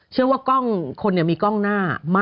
เชื่อว่ากล้องคนมีกล้องหน้า